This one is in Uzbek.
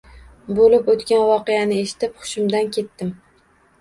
Bo`lib o`tgan voqeani eshitib hushimdan ketdim